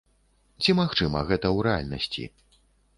Ці магчыма гэта ў рэальнасці?